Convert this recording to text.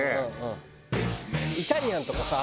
イタリアンとかさあ